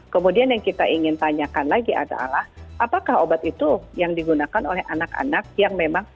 kemudian yang kita ingin tanyakan lagi adalah apakah obat itu yang digunakan oleh single use